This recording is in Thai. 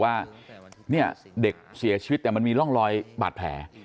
ว่าเนี่ยเด็กเสียชีวิตแต่มันมีร่องรอยบาดแผล